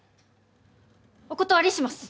お断りします！